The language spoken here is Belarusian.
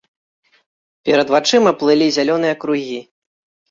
Перад вачыма плылі зялёныя кругі.